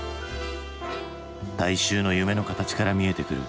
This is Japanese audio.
大衆の夢の形から見えてくる